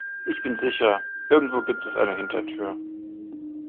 Ich bin sicher, irgendwo gibt es eine Hintertür.